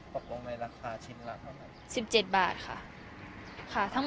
ปกติในราคาชิ้นราคาเท่านั้น